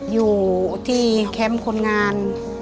อยู่ที่แคมป์คนงาน